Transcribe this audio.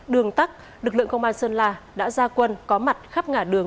đường tắt lực lượng công an sơn la đã ra quân có mặt khắp ngả đường